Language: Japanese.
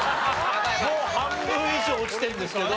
もう半分以上落ちてるんですけど。